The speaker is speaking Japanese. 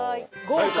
豪華。